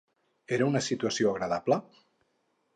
Era una situació agradable?